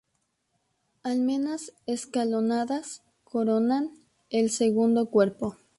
Almenas escalonadas coronan el segundo cuerpo.